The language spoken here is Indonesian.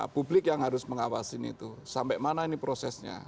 publik yang harus mengawasin itu sampai mana ini prosesnya